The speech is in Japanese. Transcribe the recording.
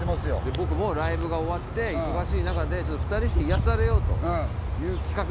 僕もライブが終わって忙しい中で２人して癒やされようという企画でいこうかと。